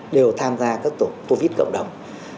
đều tham gia các tổ covid cộng đồng